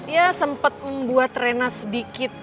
ya sempat membuat rena sedikit